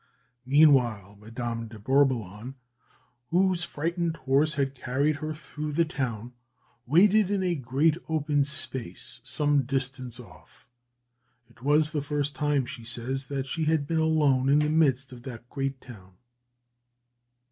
Meanwhile, Madame de Bourboulon, whose frightened horse had carried her through the town, waited in a great open space some distance off. It was the first time, she says, that she had been alone in the midst of that great town.